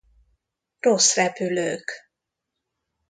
Rossz repülők.